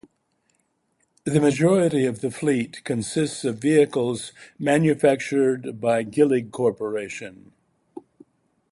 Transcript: The majority of the fleet consists of vehicles manufactured by Gillig Corporation.